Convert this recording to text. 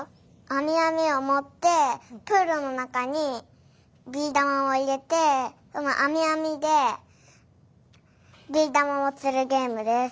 あみあみをもってプールのなかにビーだまをいれてそのあみあみでビーだまをつるゲームです。